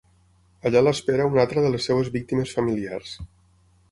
Allà l'espera una altra de les seves víctimes familiars.